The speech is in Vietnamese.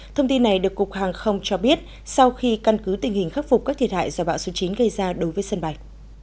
thông tin này được cục hàng không cho biết sau khi căn cứ tình hình khắc phục các thiệt hại do bão số chín gây ra đối với sân bay